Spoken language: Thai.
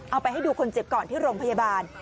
เอาไปให้ดูคนเจ็บก่อนที่โรงพยาบาล